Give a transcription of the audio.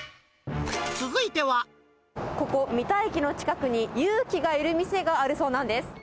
ここ、三田駅の近くに、勇気がいる店があるそうなんです。